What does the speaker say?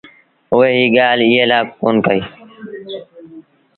اُئي ايٚ ڳآل ايٚئي لآ ڪون ڪئيٚ